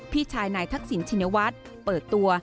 พี่ชายนายทักษิณชินวัฒน์เปิดตัว